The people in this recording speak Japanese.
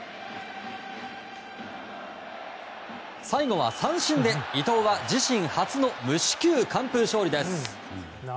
最後は三振で、伊藤は自身初の無四球完封勝利です。